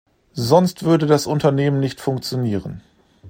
Sonst würde das Unternehmen nicht funktionieren.